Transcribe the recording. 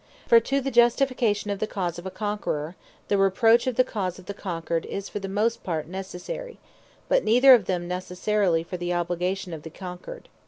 For to the Justification of the Cause of a Conqueror, the Reproach of the Cause of the Conquered, is for the most part necessary: but neither of them necessary for the Obligation of the Conquered.